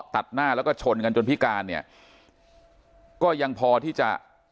ตัดหน้าแล้วก็ชนกันจนพิการเนี่ยก็ยังพอที่จะ